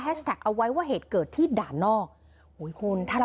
แฮชแท็กเอาไว้ว่าเหตุเกิดที่ด่านนอก